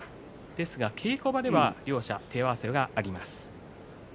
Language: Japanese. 稽古場では両者手合わせがあります。